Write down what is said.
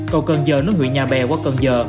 cầu cần giờ nối huyện nhà bè qua cần giờ